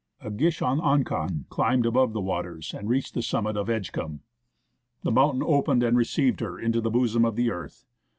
" Ah gish ahn akhon climbed above the waters and reached the summit of Edgecumbe. The mountain opened and received her into the bosom of the earth.